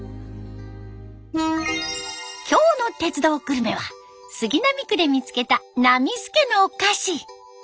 今日の「鉄道グルメ」は杉並区で見つけた「なみすけのお菓子」。